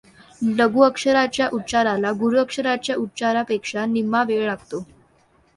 लघु अक्षराच्या उच्चाराला गुरू अक्षराच्या उच्चारापेक्षा निम्मा वेळ लागतो.